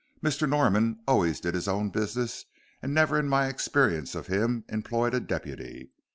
Mr. Norman always did his own business, and never, in my experience of him, employed a deputy.